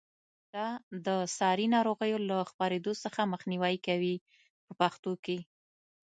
دا د ساري ناروغیو له خپرېدو څخه مخنیوی کوي په پښتو کې.